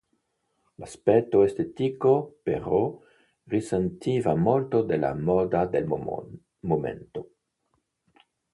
L'aspetto estetico però risentiva molto della moda del momento.